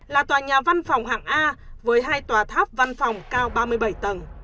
là tòa nhà văn phòng hạng a với hai tòa tháp văn phòng cao ba mươi bảy tầng